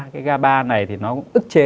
cái gaba này thì nó ức chế